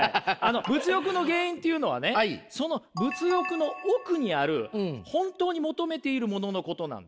物欲の原因っていうのはねその物欲の奥にある本当に求めているもののことなんですよ。